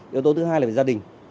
yếu tố thứ hai là về gia đình